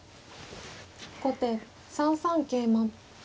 後手３三桂馬。